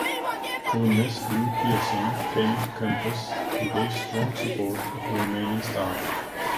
Columnist Drew Pearson came to campus and gave strong support to the remaining staff.